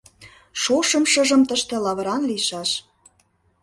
Шошым-шыжым тыште лавыран лийшаш.